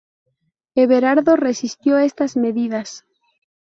Everardo resistió estas medidas.